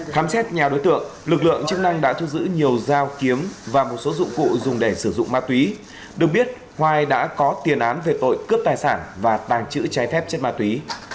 khám xét nhà đối tượng lực lượng chức năng đã thu giữ nhiều dao kiếm và một số dụng cụ dùng để sử dụng ma túy được biết hoài đã có tiền án về tội cướp tài sản và tàng trữ trái phép chất ma túy